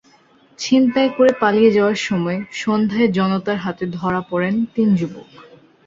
ছিনতাই করে পালিয়ে যাওয়ার সময় সন্ধ্যায় জনতার হাতে ধরা পড়েন তিন যুবক।